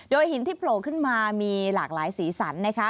หินที่โผล่ขึ้นมามีหลากหลายสีสันนะคะ